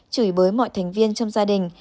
chửi bới mọi thành viên trong gia đình